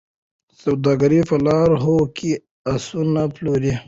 سوداګر په لاهور کي آسونه پلوري.